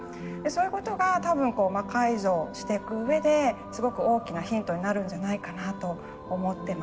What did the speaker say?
そういうことが多分魔改造してくうえですごく大きなヒントになるんじゃないかなと思ってます。